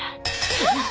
えっ！？